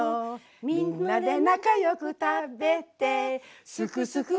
「みんなで仲良く食べてすくすく元気イェーイ！」